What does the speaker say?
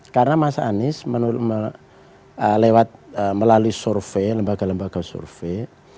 karena mas anies melalui survei lembaga lembaga survei